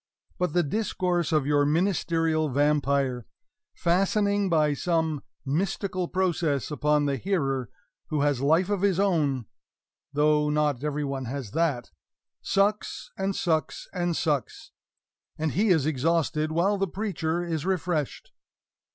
But the discourse of your ministerial vampire, fastening by some mystical process upon the hearer who has life of his own though not every one has that sucks and sucks and sucks; and he is exhausted while the preacher is refreshed.